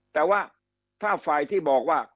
แต่ว่าถ้าฝ่ายที่บอกว่า